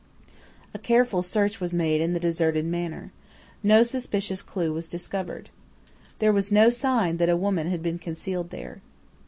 "A careful search was made in the deserted manor. No suspicious clue was discovered. "There was no sign that a woman had been concealed there.